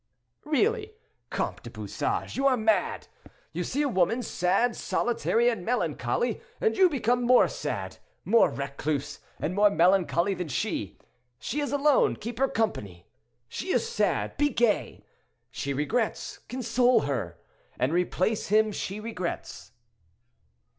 "Really, Comte du Bouchage, you are mad. You see a woman, sad, solitary, and melancholy, and you become more sad, more recluse, and more melancholy than she. She is alone—keep her company; she is sad—be gay; she regrets—console her, and replace him she regrets."